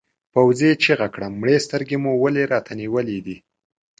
پوځي چیغه کړه مړې سترګې مو ولې راته نیولې دي؟